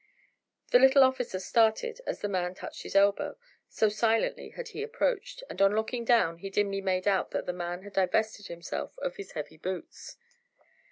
The little officer started as the man touched his elbow, so silently had he approached, and on looking down, he dimly made out that the man had divested himself of his heavy boots.